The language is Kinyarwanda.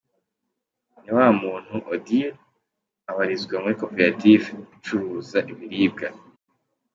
Nyinawumuntu Odille abarizwa muri koperative icuruza ibiribwa.